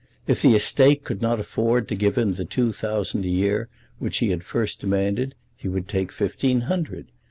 If the estate could not afford to give him the two thousand a year which he had first demanded, he would take fifteen hundred.